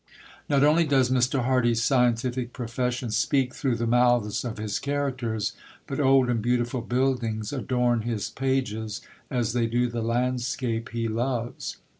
Not only does Mr. Hardy's scientific profession speak through the mouths of his characters, but old and beautiful buildings adorn his pages as they do the landscape he loves.